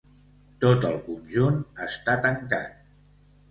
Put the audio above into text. Tot el conjunt està tancat.